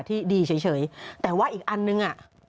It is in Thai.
ที่ดีเฉยแต่ว่าอีกอันนึงอ่ะ